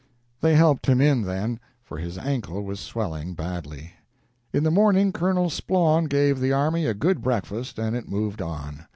They helped him in, then, for his ankle was swelling badly. In the morning, Colonel Splawn gave the army a good breakfast, and it moved on.